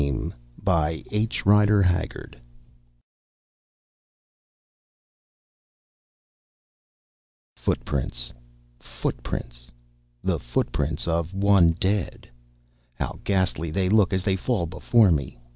ONLY A DREAM Footprints—footprints—the footprints of one dead. How ghastly they look as they fall before me!